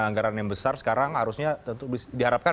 anggaran yang besar sekarang harusnya tentu diharapkan